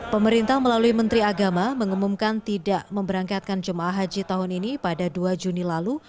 pemerintah melalui menteri agama mengumumkan tidak memberangkatkan jemaah haji tahun ini pada dua juni lalu